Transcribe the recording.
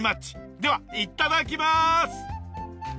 ではいただきます！